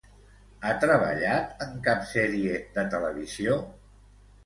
Ha treballat en cap sèrie de televisió?